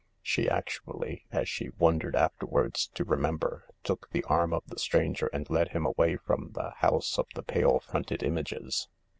She actually, as she wondered afterwards to remember, took the arm of the stranger and led him away from the * house of the pale fronted images'.